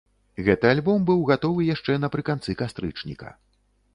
Гэты альбом быў гатовы яшчэ напрыканцы кастрычніка.